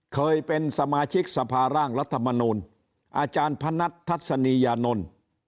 เคยเป็นสมาชิกสภาร่างรัฐมนูลอาจารย์พนัททัศนียานนท์